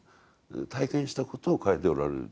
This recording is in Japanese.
体験したことを書いておられる。